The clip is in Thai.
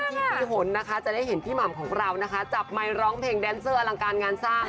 พี่หนนะคะจะได้เห็นพี่หม่ำของเรานะคะจับไมค์ร้องเพลงแดนเซอร์อลังการงานสร้าง